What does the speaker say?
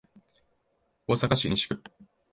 大阪市西区